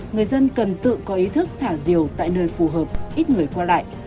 người dân cần tự có ý thức thả diều tại nơi phù hợp ít người qua lại